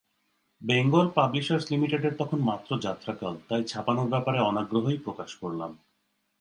Bengal publishers লিমিটেডের তখন মাত্র যাত্রাকাল, তাই ছাপানোর ব্যাপারে অনাগ্রহই প্রকাশ করলাম।